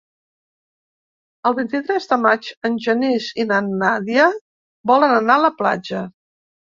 El vint-i-tres de maig en Genís i na Nàdia volen anar a la platja.